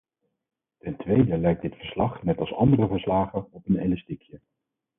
Ten tweede lijkt dit verslag - net als andere verslagen - op een elastiekje.